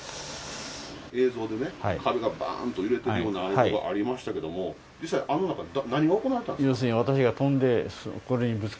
映像でね、壁がばんと揺れてるようなところがありましたけど、実際、あの中で何が行われていたんですか？